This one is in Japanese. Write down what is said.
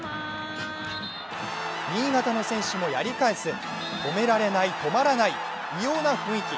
新潟の選手もやり返す、止められない、止まらない、異様な雰囲気。